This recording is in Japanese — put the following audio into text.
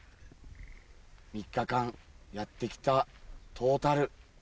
３日間やって来たトータル